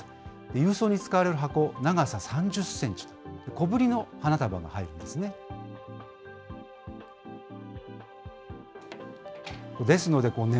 郵送に使われる箱、長さ３０センチ、小ぶりの花束が入るんですね。